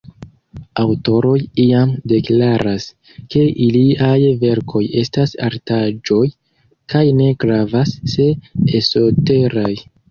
Aŭtoroj iam deklaras, ke iliaj verkoj estas artaĵoj, kaj ne gravas, se esoteraj.